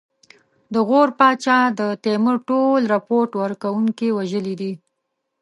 د غور پاچا د تیمور ټول رپوټ ورکوونکي وژلي دي.